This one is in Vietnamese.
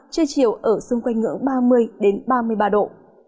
chưa chịu ở xung quanh ngưỡng ba mươi đến ba mươi ba độ